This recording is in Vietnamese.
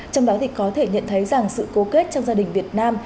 trong đó có thể nhận thấy rằng sự cố kết trong gia đình việt nam